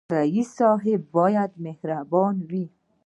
رئیس باید مهربان وي